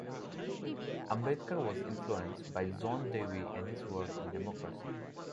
Ambedkar was influenced by John Dewey and his work on democracy.